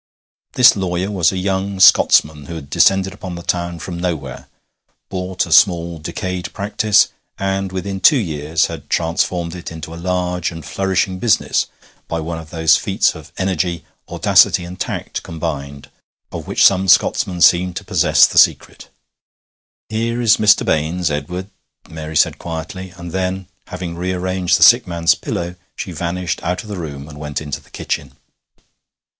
This lawyer was a young Scotsman who had descended upon the town from nowhere, bought a small decayed practice, and within two years had transformed it into a large and flourishing business by one of those feats of energy, audacity, and tact, combined, of which some Scotsmen seem to possess the secret. 'Here is Mr. Baines, Edward,' Mary said quietly; and then, having rearranged the sick man's pillow, she vanished out of the room and went into the kitchen.